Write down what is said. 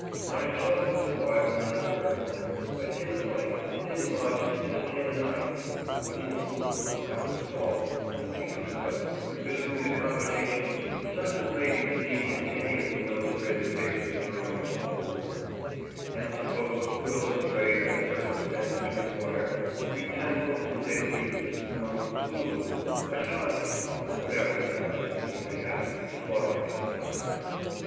On a shelf was a Bible and prayer book, a tin plate, a tin mug, and a tin knife, a wooden spoon, a box of salt, and a piece of soap, producing a combination such as may be seen in any of the illustrated papers during a small war, and supposed to illustrate, as circumstances require, the utensils in daily use amongst Zulus, Ashantis or whatever savages we may happen to be slaughtering at the time.